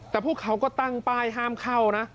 แต่พวกเขาก็ตั้งป้ายห้ามเข้านะ